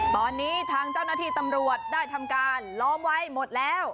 ตอนนี้ทางเจ้าหน้าที่ตำรวจได้ทำการล้อมไว้หมดแล้ว